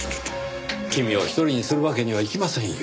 君を１人にするわけにはいきませんよ。